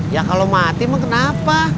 ya kalau mati mah kenapa